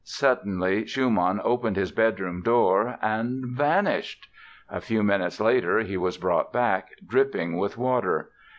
Suddenly Schumann opened his bedroom door and—vanished! A few minutes later he was brought back, dripping with water.